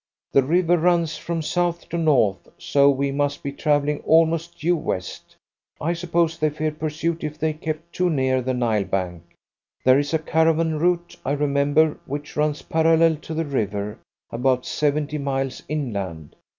The river runs from south to north, so we must be travelling almost due west. I suppose they feared pursuit if they kept too near the Nile bank. There is a caravan route, I remember, which runs parallel to the river, about seventy miles inland.